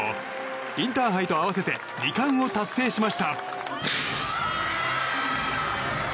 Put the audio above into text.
インターハイと合わせて２冠を達成しました。